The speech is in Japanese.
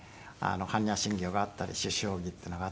般若心経があったり修証義っていうのがあったり。